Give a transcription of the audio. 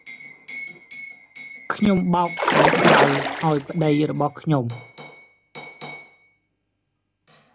ខ្ញុំបោកអាវក្រៅ អោយប្តីរបស់ខ្ញុំ។